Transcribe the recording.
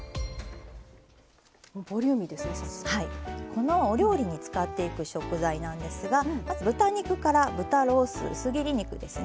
このお料理に使っていく食材なんですがまず豚肉から豚ロース薄切り肉ですね。